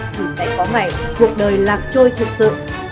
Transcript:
thì sẽ có ngày cuộc đời lạc trôi thực sự